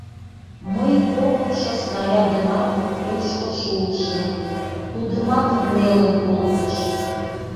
Мый кокымшо снарядымат тушко шуышым, тудымат нелын колтыш.